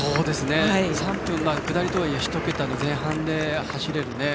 下りとはいえ３分１桁の前半で走れる。